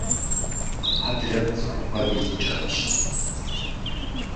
Гъаблэм цӏыху куэд илӏыкӏащ.